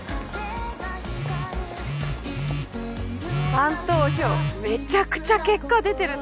ファン投票めちゃくちゃ結果出てるって。